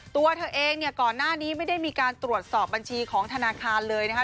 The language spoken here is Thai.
ตัวเธอเองเนี่ยก่อนหน้านี้ไม่ได้มีการตรวจสอบบัญชีของธนาคารเลยนะคะ